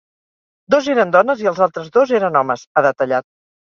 Dos eren dones i els altres dos eren homes, ha detallat.